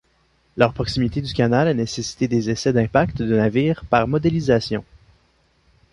Leur proximité du canal a nécessité des essais d'impact de navires par modélisation.